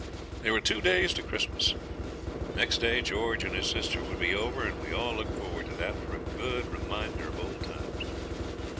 There were two days to Christmas. Next day George and his sister would be over, and we all looked forward to that for a good reminder of old times.